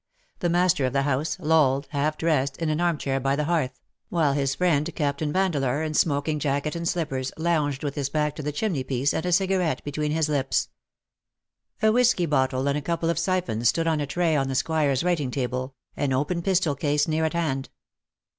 The master of the house lolled, haJf dressed, in an armchair by the hearth ; while his friend, Captain VOL. TII. 8 258 ^' SHE STOOD UP IN BITTER CASE, Yandeleur, in smoking jacket and slippers, lounged with his back to the chimney piece, and a cigarette between his b*ps. A whisky bottle and a couple of siphons stood on a tray on the Squire^s writing table, an open pistol case near at hand.